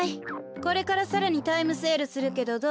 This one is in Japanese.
これからさらにタイムセールするけどどうする？